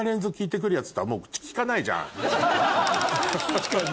確かに。